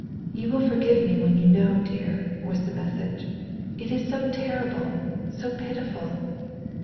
"You will forgive me when you know, dear," was the message. "It is so terrible! So pitiful!"